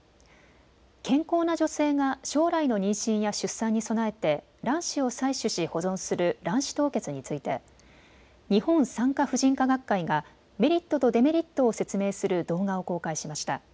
健康な女性が将来の妊娠や出産に備えて卵子を採取し保存する卵子凍結について日本産科婦人科学会がメリットとデメリットを説明する動画を公開しました。